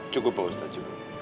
cukup pak ustaz